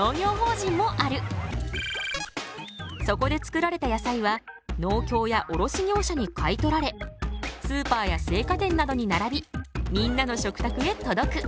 そこで作られた野菜は農協や卸業者に買い取られスーパーや青果店などに並びみんなの食卓へ届く。